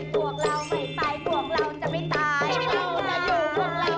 พวกเราไม่ตายพวกเราจะไม่ตายเราจะอยู่บนเรา